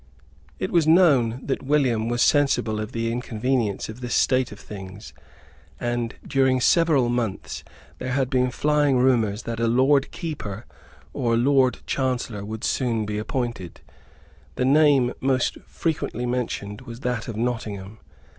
It was known that William was sensible of the inconvenience of this state of things; and, during several months, there had been flying rumours that a Lord Keeper or a Lord Chancellor would soon be appointed. The name most frequently mentioned was that of Nottingham.